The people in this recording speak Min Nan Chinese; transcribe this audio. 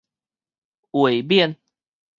衛冕